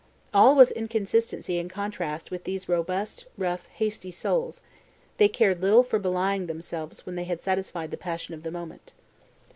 All was inconsistency and contrast with these robust, rough, hasty souls; they cared little for belying themselves when they had satisfied the passion of the moment.